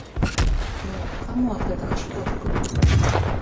Ну, каму ад гэтага шкода была?